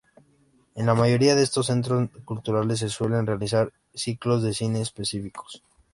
En la mayoría de estos centros culturales se suelen realizar ciclos de cine específicos.